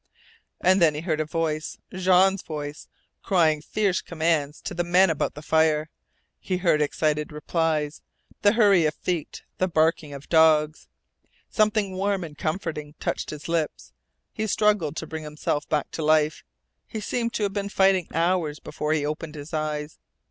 And then he heard a voice, Jean's voice, crying fierce commands to the men about the fire; he heard excited replies, the hurry of feet, the barking of dogs. Something warm and comforting touched his lips. He struggled to bring himself back into life. He seemed to have been fighting hours before he opened his eyes.